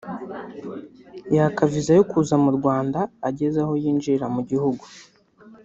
yaka viza yo kuza mu Rwanda ageze aho yinjirira mu gihugu